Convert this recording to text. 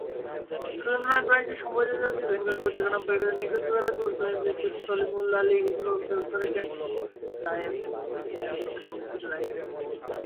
সুরেন্দ্রনাথ ব্যানার্জী সম্পাদিত দি বেঙ্গলি পত্রিকা নবগঠিত নিখিল ভারত মুসলিম লীগ কে সলিমুল্লাহ লীগ হিসেবে অভিহিত করে।